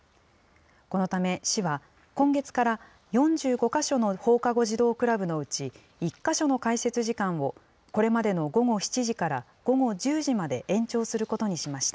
このため市は、今月から４５か所の放課後児童クラブのうち、１か所の開設時間をこれまでの午後７時から午後１０時まで延長することにしました。